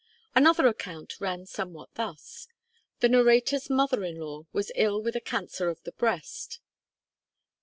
Another account ran somewhat thus: The narrator's mother in law was ill with a cancer of the breast.